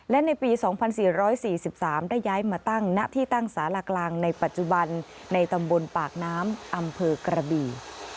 และในปี๒๔๔๓ได้ย้ายมาตั้งณที่ตั้งสารากลางในปัจจุบันในตำบลปากน้ำอำเภอกระบี่